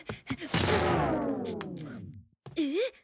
えっ？